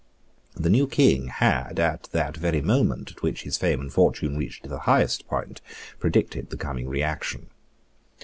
The new king had, at the very moment at which his fame and fortune reached the highest point, predicted the coming reaction.